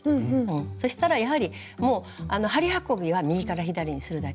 そしたらやはりもう針運びは右から左にするだけ。